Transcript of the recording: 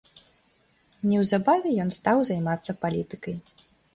Неўзабаве ён стаў займацца палітыкай.